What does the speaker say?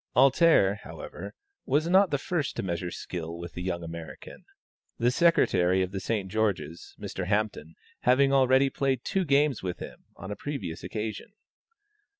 "Alter," however, was not the first to measure skill with the young American, the Secretary of the St. George's, Mr. Hampton, having already played two games with him, on a previous occasion.